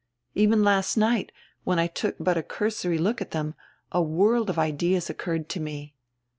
Even last night, when I took but a cursory look at them, a world of ideas occurred to me."